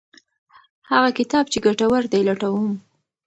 هغه کتاب چې ګټور دی لټوم.